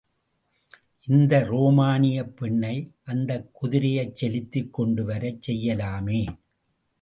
இந்த ரோமானியப் பெண்ணை அந்தக் குதிரையைச் செலுத்திக் கொண்டுவரச் செய்யலாமே!